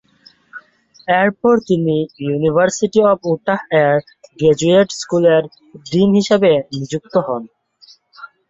এরপর তিনি university of Utah এর গ্র্যাজুয়েট স্কুলের ডীন হিসেবে নিযুক্ত হন।